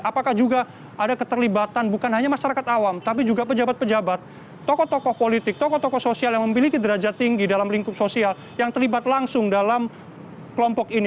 apakah juga ada keterlibatan bukan hanya masyarakat awam tapi juga pejabat pejabat tokoh tokoh politik tokoh tokoh sosial yang memiliki derajat tinggi dalam lingkup sosial yang terlibat langsung dalam kelompok ini